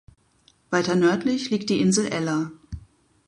Weiter nördlich liegt die Insel Eller.